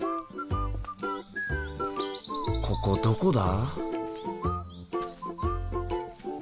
ここどこだ？